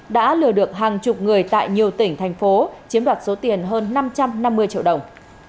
đã lừa được hàng chục người tại nhiều tỉnh thành phố chiếm đoạt số tiền hơn năm trăm năm mươi triệu đồng